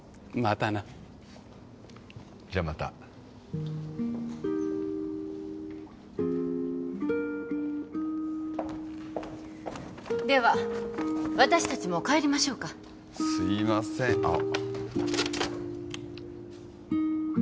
たなじゃあまたでは私達も帰りましょうかすいませんあっ